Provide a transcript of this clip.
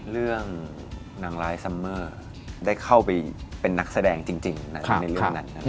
นางร้ายซัมเมอร์ได้เข้าไปเป็นนักแสดงจริงในเรื่องนั้น